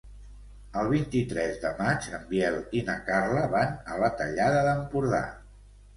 El vint-i-tres de maig en Biel i na Carla van a la Tallada d'Empordà.